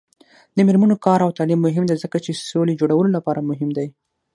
د میرمنو کار او تعلیم مهم دی ځکه چې سولې جوړولو لپاره مهم دی.